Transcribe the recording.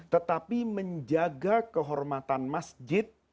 tetapi menjaga kehormatan masjid